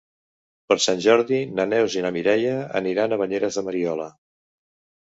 Per Sant Jordi na Neus i na Mireia aniran a Banyeres de Mariola.